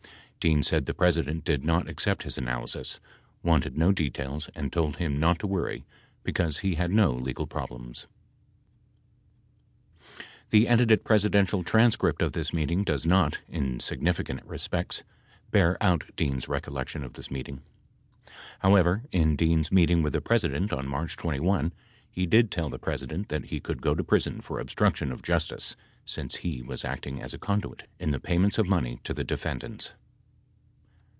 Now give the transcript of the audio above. Dean said the President did not accept his analysis, wanted no details and told him not to worry because he had no legal problems. 52 The edited Presidential transcript of this meeting does not, in sig nificant respects, bear out Dean's recollection of this meeting. However, in Dean's meeting with the President on March 21, he did tell the President that he could go to prison for obstruction of justice since he was acting as a conduit in the payments of money to the defendants.